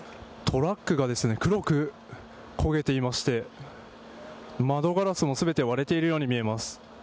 トラックが黒く焦げていまして窓ガラスも全て割れているように見えます。